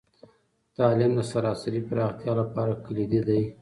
تعلیم د سراسري پراختیا لپاره کلیدي دی.